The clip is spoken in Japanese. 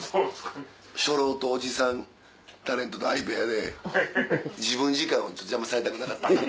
初老とおじさんタレントと相部屋で自分時間を邪魔されたくなかった。